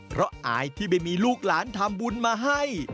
เพราะอายที่ไม่มีลูกหลานทำบุญมาให้